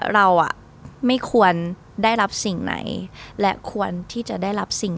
เราอ่ะไม่ควรได้รับสิ่งไหนและควรที่จะได้รับสิ่ง